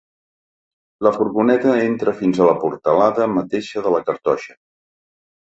La furgoneta entra fins a la portalada mateixa de la cartoixa.